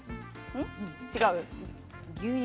違う？